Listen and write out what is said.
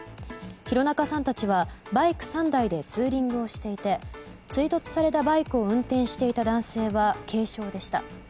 広中さんたちはバイク３台でツーリングしていて追突したバイクを運転していた男性は軽傷でした。